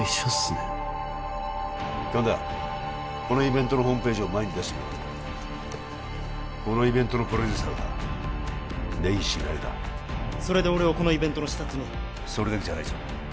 このイベントのホームページを前に出してくれこのイベントのプロデューサーが根岸那由だそれで俺をこのイベントの視察にそれだけじゃないぞ